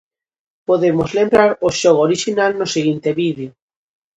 Podemos lembrar o xogo orixinal no seguinte vídeo: